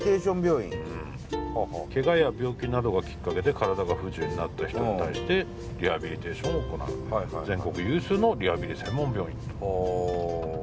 けがや病気などがきっかけで体が不自由になった人に対してリハビリテーションを行う全国有数のリハビリ専門病院。